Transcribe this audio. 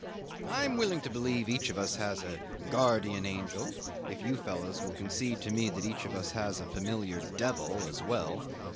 I am willing to believe each of us has a guardian angel, if you fellows will concede to me that each of us has a familiar devil as well.